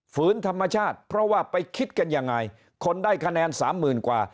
ฝืนธรรมชาติเพราะว่าไปคิดกันยังไงคนได้คะแนนสามหมื่นกว่า